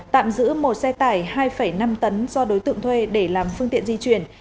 tạm giữ một xe tải hai năm tấn do đối tượng thuê để làm phương tiện di chuyển